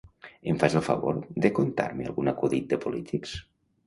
Em fas el favor de contar-me algun acudit de polítics?